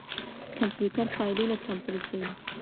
کمپيوټر فايلونه کمپريسوي.